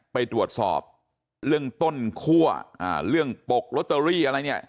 ไปตรวจสอบเรื่องต้นคั่วเรื่องปกลอตเตอรี่อะไรเนี่ย